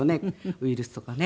ウイルスとかね。